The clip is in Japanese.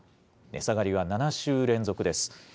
値下がりは７週連続です。